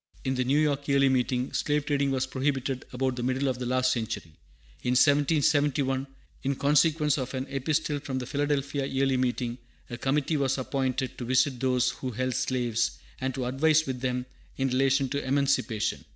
In the New York Yearly Meeting, slave trading was prohibited about the middle of the last century. In 1771, in consequence of an Epistle from the Philadelphia Yearly Meeting, a committee was appointed to visit those who held slaves, and to advise with them in relation to emancipation.